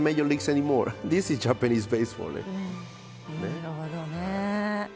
なるほどね。